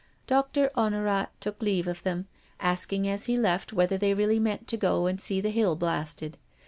Doctor Honorat took leave of them, asking as he left whether they really meant to go and see the hill blasted.